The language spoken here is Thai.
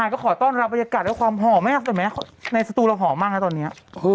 โอ๊ยพี่มดฉากนี้เข้ากับพี่มดมากเลย